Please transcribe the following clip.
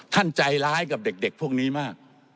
ใจร้ายกับเด็กพวกนี้มาก